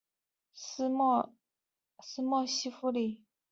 默斯河畔西夫里。